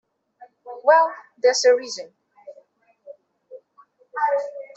Well, there is a reason.